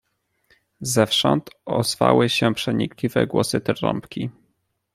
"Zewsząd ozwały się przenikliwe głosy trąbki."